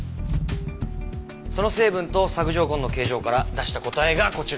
その成分と索条痕の形状から出した答えがこちら。